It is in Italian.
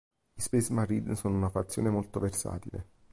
Gli Space Marine sono una fazione molto versatile.